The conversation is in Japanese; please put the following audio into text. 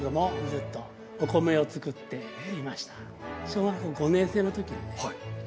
小学校５年生の時にね